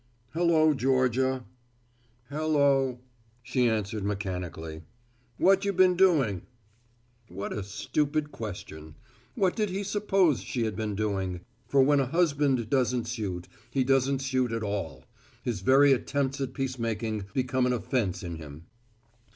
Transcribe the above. "Hello, Georgia." "Hello," she answered mechanically. "What you been doing?" What a stupid question. What did he suppose she had been doing? For when a husband doesn't suit, he doesn't suit at all his very attempts at peacemaking become an offense in him.